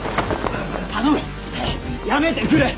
頼むやめてくれ！